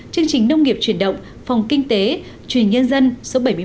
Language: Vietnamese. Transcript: chương trình nông nghiệp truyền động phòng kinh tế chuyên nhân dân số bảy mươi một